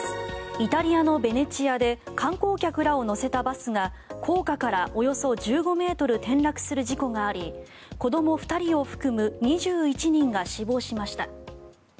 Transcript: イタリアのベネチアで観光客らを乗せたバスが高架からおよそ１５ｍ転落する事故があり子ども２人を含む２１人が死亡しました。